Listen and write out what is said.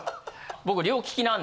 僕。